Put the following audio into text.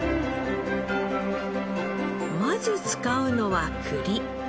まず使うのは栗。